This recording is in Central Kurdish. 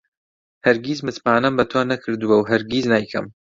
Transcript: هەرگیز متمانەم بە تۆ نەکردووە و هەرگیز نایکەم.